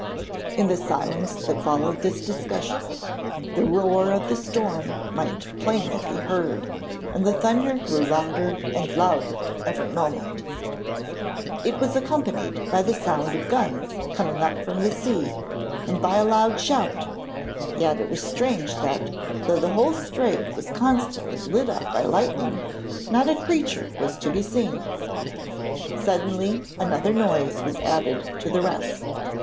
In the silence that followed this discussion, the roar of the storm might plainly be heard, and the thunder grew louder and louder every moment. It was accompanied by the sound of guns coming up from the sea and by a loud shout, yet it was strange that, though the whole strait was constantly lit up by lightning, not a creature was to be seen. Suddenly another noise was added to the rest.